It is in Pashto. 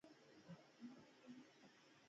تالابونه د افغانستان د طبیعي زیرمو یوه لویه برخه ده.